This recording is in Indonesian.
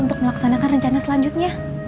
untuk melaksanakan rencana selanjutnya